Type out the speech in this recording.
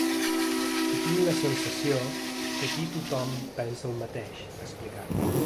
I tinc la sensació que aquí tothom pensa el mateix, ha explicat.